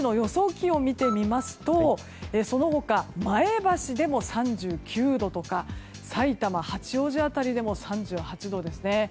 気温を見てみますとその他、前橋でも３９度やさいたま、八王子辺りでも３８度ですね。